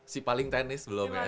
si paling teknis belum ya